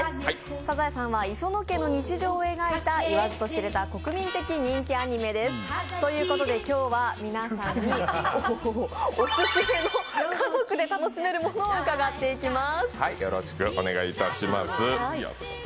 「サザエさん」は磯野家の日常を描いた、言わずと知れた国民的人気アニメです。ということで今日は皆さんにオススメの家族で楽しめるものを伺っていきます。